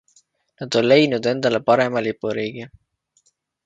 Nad on leidnud endale parema lipuriigi.